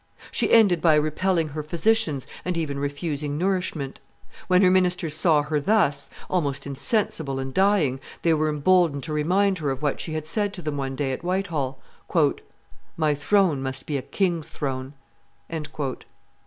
She ended by repelling her physicians and even refusing nourishment. When her ministers saw her thus, almost insensible and dying, they were emboldened to remind her of what she had said to them one day at White Hall, "My throne must be a king's throne."